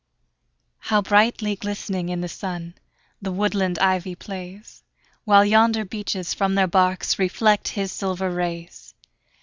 How brightly glistening in the sun The woodland ivy plays! While yonder beeches from their barks Reflect his silver rays.